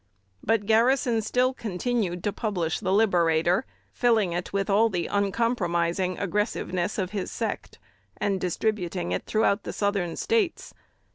But Garrison still continued to publish "The Liberator," filling it with all the uncompromising aggressiveness of his sect, and distributing it throughout the Southern States.